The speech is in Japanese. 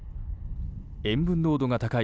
塩分濃度が高い